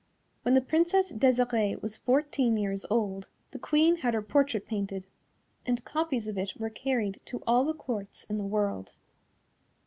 When the Princess Desirée was fourteen years old, the Queen had her portrait painted, and copies of it were carried to all the Courts in the world.